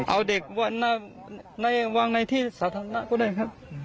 เอาเด็กวางในที่สาธารณะก็ได้ครับ